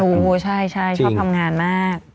ถูกใช่ชอบทำงานมากจริง